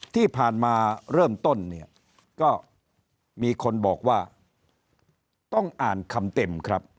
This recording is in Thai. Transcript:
ที่ผ่านมาเริ่มต้นเนี่ยก็มีคนบอกว่าต้องอ่านคำเต็มครับ